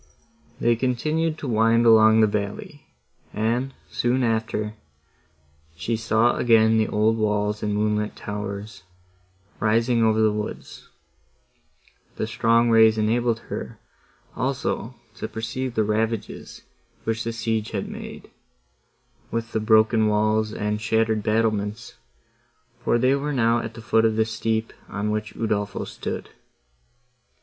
They continued to wind along the valley, and, soon after, she saw again the old walls and moonlit towers, rising over the woods: the strong rays enabled her, also, to perceive the ravages, which the siege had made,—with the broken walls, and shattered battlements, for they were now at the foot of the steep, on which Udolpho stood.